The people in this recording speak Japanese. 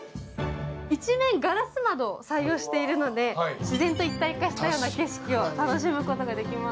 一面ガラス窓を採用しているので、自然と一体化したような景色を楽しむことができます。